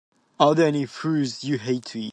Are there any foods you hate to eat?